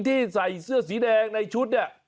ที่ใส่เสื้อสีแดงในชุด